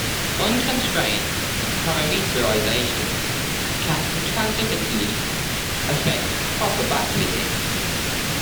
Unconstrained parameterization can intransitively affect proper backfitting.